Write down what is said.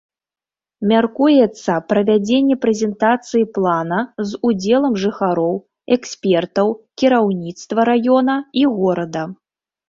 Мяркуецца правядзенне прэзентацыі плана з удзелам жыхароў, экспертаў, кіраўніцтва раёна і горада.